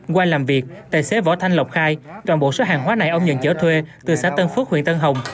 qua làm việc tài xế võ thanh lộc khai toàn bộ số hàng hóa này ông nhận chở thuê từ xã tân phước huyện tân hồng